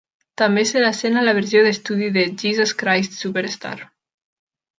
També se la sent a la versió d'estudi de "Jesus Christ Superstar".